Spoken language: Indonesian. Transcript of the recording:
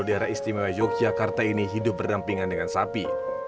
daerah istimewa yogyakarta ini hidup berdampingan dengan sapi